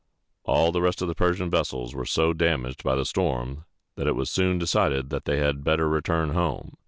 All the rest of the Persian vessels were so damaged by the storm, that it was soon decided that they had better return home.